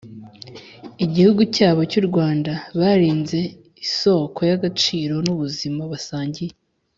Igihugu cyabo cy u Rwanda Barinze isoko y agaciro n ubuzima basangiye